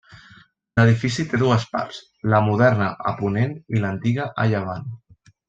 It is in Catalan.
L'edifici té dues parts: la moderna a ponent i l'antiga a llevant.